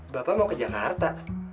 bapak mau ke jakarta